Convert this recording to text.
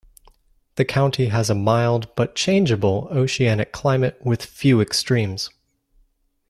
The county has a mild, but changeable, oceanic climate with few extremes.